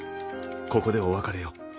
「ここでお別れよ」。